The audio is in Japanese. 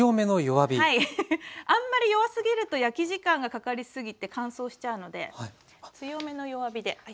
あんまり弱すぎると焼き時間がかかりすぎて乾燥しちゃうので強めの弱火でいいですね。